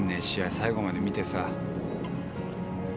最後まで見てさ。